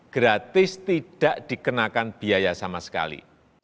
gratis tidak dikenakan biaya sama sekali